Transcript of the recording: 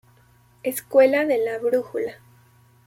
Escuela de la brújula